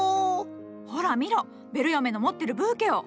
ほら見ろベル嫁の持ってるブーケを！